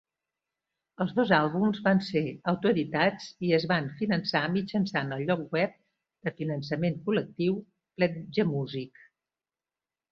Els dos àlbums van ser autoeditats i es van finançar mitjançant el lloc web de finançament col·lectiu Pledgemusic.